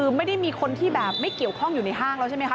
คือไม่ได้มีคนที่แบบไม่เกี่ยวข้องอยู่ในห้างแล้วใช่ไหมคะ